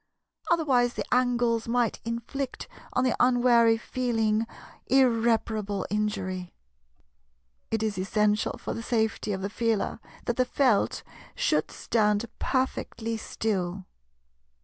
Otherwise the angles might inflict on the unwary Feeling irreparable injury. It is essential for the safety of the Feeler that the Felt should stand perfectly still.